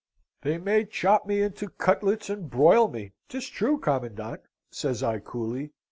"'They may chop me into cutlets and broil me, 'tis true, commandant,' says I, coolly.